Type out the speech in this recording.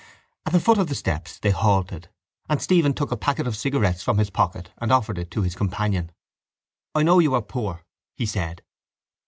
At the foot of the steps they halted and Stephen took a packet of cigarettes from his pocket and offered it to his companion. —I know you are poor, he said.